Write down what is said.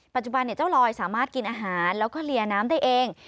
ปัจจุบันเจ้าลอยสามารถกินอาหารแล้วก็เลียน้ำได้เอง